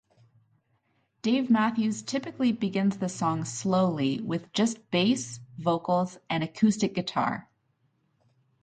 Dave Matthews typically begins the song slowly with just bass, vocals and acoustic guitar.